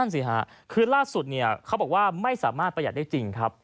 นั่นสิค่ะคือล่าสุดเขาบอกว่าไม่สามารถประหยัดได้จริงครับ